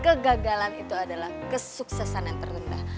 kegagalan itu adalah kesuksesan yang terendah